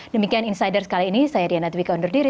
demikian insider kali ini saya diana dwi konderdiri